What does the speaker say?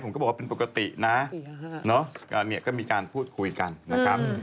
ผมก็บอกว่าเป็นปกตินะเนี่ยก็มีการพูดคุยกันนะครับ